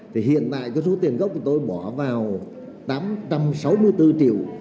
thì hiện tại số tiền gốc của tôi bỏ vào tám trăm sáu mươi bốn triệu